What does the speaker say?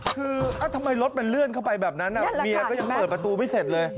คือทำไมรถมันเลื่อนเข้าไปแบบนั้นเมียก็ยังเปิดประตูไม่เสร็จเลย